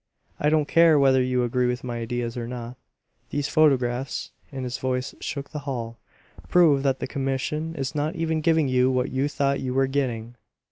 I don't care whether you agree with my ideas or not; these photographs" his voice shook the hall "prove that the commission is not even giving you what you thought you were getting!"